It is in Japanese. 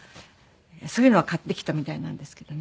そういうのは買ってきたみたいなんですけどね。